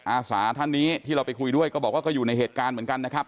อาสาท่านนี้ที่เราไปคุยด้วยก็บอกว่าก็อยู่ในเหตุการณ์เหมือนกันนะครับ